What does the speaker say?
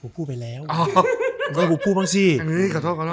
ผมพูดไปแล้ว